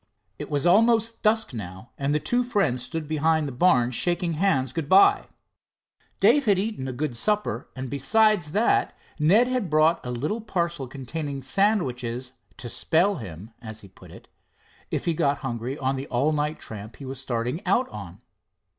It was almost dusk now, and the two friends stood just behind the barn, shaking hands goodbye. Dave had eaten a good supper, and besides that Ned had brought a little parcel containing sandwiches, "to spell" him, as he put it, if he got hungry on the all night tramp he was starting out on.